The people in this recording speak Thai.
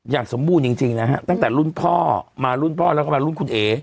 สมบูรณ์จริงนะฮะตั้งแต่รุ่นพ่อมารุ่นพ่อแล้วก็มารุ่นคุณเอ๋